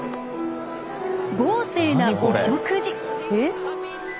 豪勢なお食事。